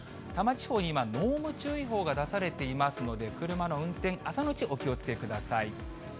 多摩地方に今、濃霧注意報が出されていますので、車の運転、朝のうちお気をつけください。